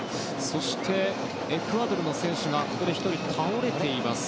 そしてエクアドルの選手がここで１人倒れています。